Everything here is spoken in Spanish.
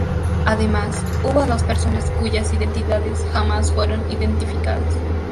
Además, hubo dos personas cuyas identidades jamás fueron identificadas.